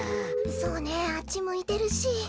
そうねあっちむいてるし。